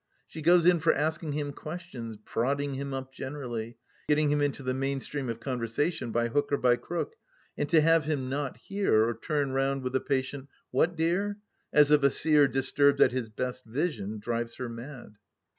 She goes in for asking him questions, prodding him up generally, getting him into the main stream of con versation by hook or by crook, and to have him not hear, or turn round with a patient " What, dear ?" as of a seer dis turbed at his best vision, drives her mad.